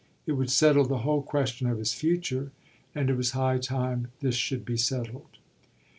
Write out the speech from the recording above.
It would settle the whole question of his future, and it was high time this should be settled.